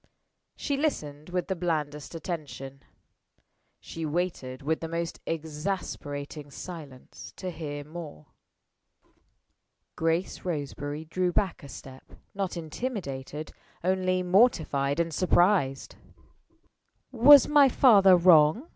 She listened with the blandest attention. She waited with the most exasperating silence to hear more. Grace Roseberry drew back a step not intimidated only mortified and surprised. "Was my father wrong?"